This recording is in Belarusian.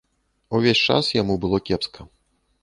Увесь час яму было кепска.